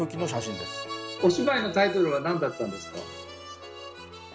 お芝居のタイトルは何だったんですか？